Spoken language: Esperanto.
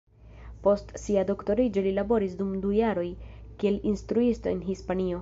Post sia doktoriĝo li laboris dum du jaroj kiel instruisto en Hispanio.